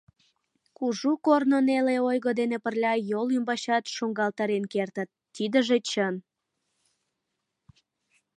Кужу корно неле ойго дене пырля йол ӱмбачат шуҥгалтарен кертыт, тидыже чын.